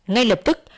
ngay lập tức